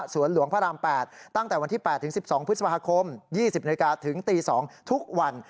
สวนหลวงพระราม๘ตั้งแต่วันที่๘ถึง๑๒พฤษภาคม๒๐นถึง๒นทุกวัน